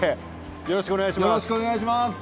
よろしくお願いします。